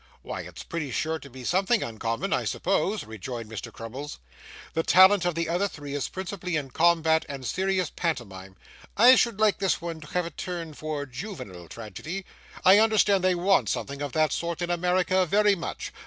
'Why, it's pretty sure to be something uncommon, I suppose,' rejoined Mr. Crummles. 'The talent of the other three is principally in combat and serious pantomime. I should like this one to have a turn for juvenile tragedy; I understand they want something of that sort in America very much.